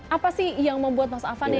apa sih yang membuat mas afan